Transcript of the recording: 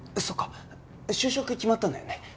そうか就職決まったんだよね？